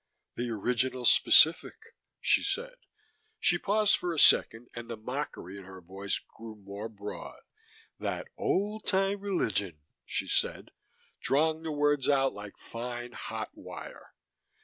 "The original specific," she said. She paused for a second and the mockery in her voice grew more broad. "That old time religion," she said, drawing the words out like fine, hot wire.